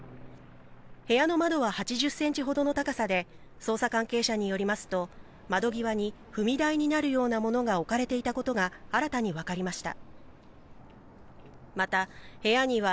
部屋の窓は８０センチほどの高さで、捜査関係者によりますと、窓際に踏み台になるようなものが置かれていたことが新たに分かりました。